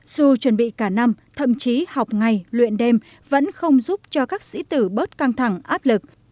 dù chuẩn bị cả năm thậm chí học ngày luyện đêm vẫn không giúp cho các sĩ tử bớt căng thẳng áp lực